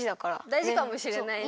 大事かもしれないね。